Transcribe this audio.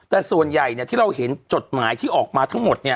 แต่ส่วนใหญ่ที่เราเห็นจดหมายที่ออกมาทั้งหมดเนี่ย